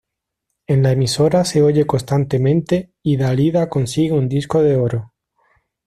En la emisora se oye constantemente y Dalida consigue un disco de oro.